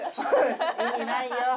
意味ないよ。